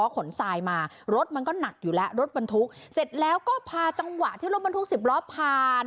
ขนทรายมารถมันก็หนักอยู่แล้วรถบรรทุกเสร็จแล้วก็พาจังหวะที่รถบรรทุกสิบล้อผ่าน